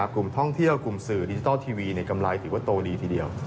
กลุ่มท่องเที่ยวกลุ่มสื่อดิจิทัลทีวีในกำไรถือว่าโตดีทีเดียว